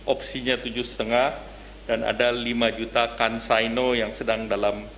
opsinya tujuh lima dan ada lima juta cansino yang sedang dalam